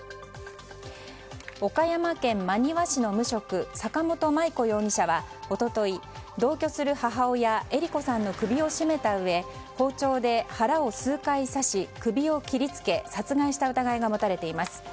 岡山県真庭市の無職坂本麻依子容疑者は一昨日、同居する母親えり子さんの首を絞めたうえ包丁で腹を数回刺し首を切り付け殺害した疑いが持たれています。